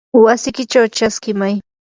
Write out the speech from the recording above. wasikichaw chaskimay.